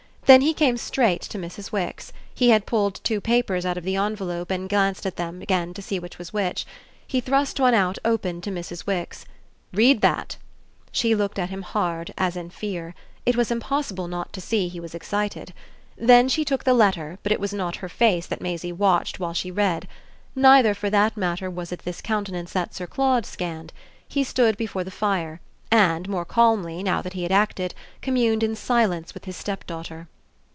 Then he came straight to Mrs. Wix; he had pulled two papers out of the envelope and glanced at them again to see which was which. He thrust one out open to Mrs. Wix. "Read that." She looked at him hard, as if in fear: it was impossible not to see he was excited. Then she took the letter, but it was not her face that Maisie watched while she read. Neither, for that matter, was it this countenance that Sir Claude scanned: he stood before the fire and, more calmly, now that he had acted, communed in silence with his stepdaughter.